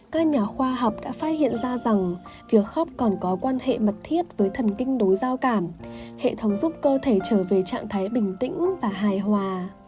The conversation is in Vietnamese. các nhà khoa học đã phát hiện ra rằng việc khóc còn có quan hệ mật thiết với thần kinh đối giao cảm hệ thống giúp cơ thể trở về trạng thái bình tĩnh và hài hòa